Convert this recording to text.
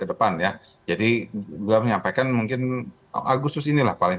dan pak erlangga mengatakan dalam waktu beberapa bulan